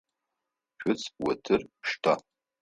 Цуц, утыр штэ!